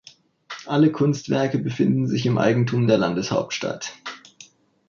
Alle Kunstwerke befinden sich im Eigentum der Landeshauptstadt.